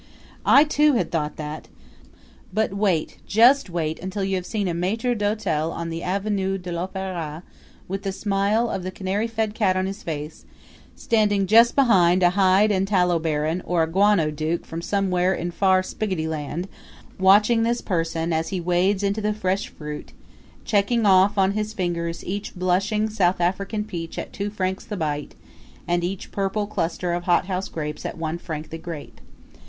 I, too, had thought that; but wait, just wait, until you have seen a maitre d'hotel on the Avenue de l'Opera, with the smile of the canary fed cat on his face, standing just behind a hide and tallow baron or a guano duke from somewhere in Far Spiggottyland, watching this person as he wades into the fresh fruit checking off on his fingers each blushing South African peach at two francs the bite, and each purple cluster of hothouse grapes at one franc the grape.